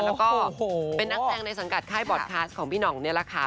แล้วก็เป็นนักแสดงในสังกัดค่ายบอร์ดคลาสของพี่หน่องนี่แหละค่ะ